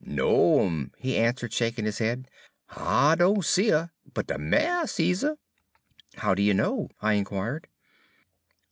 "No'm," he answered, shaking his head, "I doan see 'er, but de mare sees 'er." "How do you know?" I inquired.